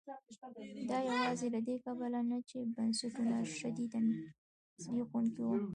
دا یوازې له دې کبله نه چې بنسټونه شدیداً زبېښونکي وو.